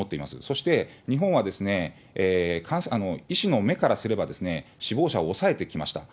そして、日本は、医師の目からすれば、死亡者を抑えてきました。